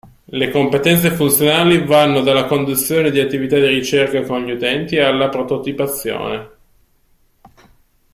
Le competenze funzionali vanno dalla conduzione di attività di ricerca con gli utenti alla prototipazione.